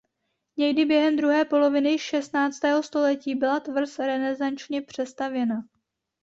Někdy během druhé poloviny šestnáctého století byla tvrz renesančně přestavěna.